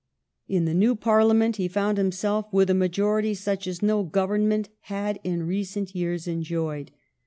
In the new Parliament he found himself with a majority such as no Government had in recent yeai s enjoyed.